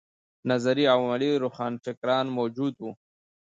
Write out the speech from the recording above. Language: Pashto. نظري او عملي روښانفکران موجود وو.